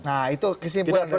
nah itu kesimpulan dari bang zainul